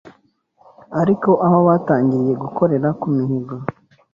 ariko aho batangiriye gukorera ku mihigo